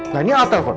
nah ini alat telpon